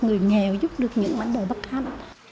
người nghèo giúp được những mảnh đồ bất khăn